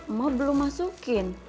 emang belum masukin